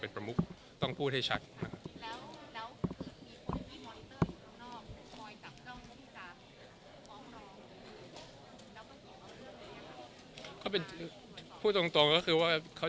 บรรยากาศ